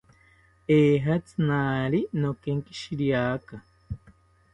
Ejatzi naari nokenkishiriaka